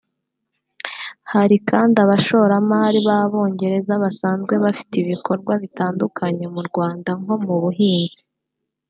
Hari kandi abashoramari b’Abongereza basanzwe bafite ibikorwa bitandukanye mu Rwanda nko mu buhinzi